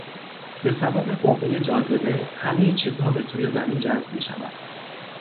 بسبب قوهٔ جاذبه همه چیزها بسوی زمین جذب میشود.